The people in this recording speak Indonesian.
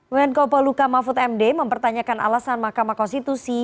menko poluka mahfud md mempertanyakan alasan mahkamah konstitusi